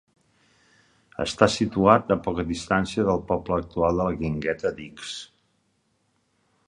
Està situat a poca distància del poble actual de la Guingueta d'Ix.